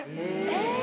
え！